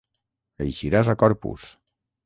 Eixiràs a Corpus!